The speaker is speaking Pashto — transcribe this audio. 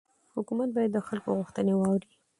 حکومت باید د خلکو غوښتنې واوري